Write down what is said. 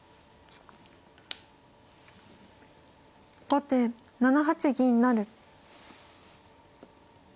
後手７八銀成。